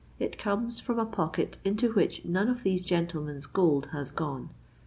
It comes from a pocket into which none of these gentlemen's gold has gone."